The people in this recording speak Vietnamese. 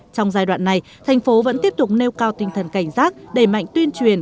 trong giai đoạn này thành phố vẫn tiếp tục nêu cao tinh thần cảnh giác đẩy mạnh tuyên truyền